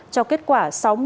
cho kết quả sáu mươi sáu